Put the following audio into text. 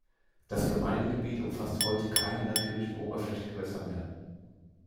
Das Gemeindegebiet umfasst heute keine natürlichen Oberflächengewässer mehr.